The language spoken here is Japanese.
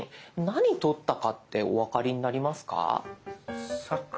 何撮ったかってお分かりになりますか？